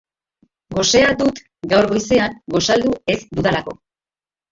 Gosea dut gaur goizean gosaldu ez dudalako.